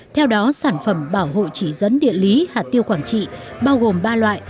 theo đó sản phẩm bảo hộ chỉ dẫn địa lý hạt tiêu quảng trị bao gồm ba loại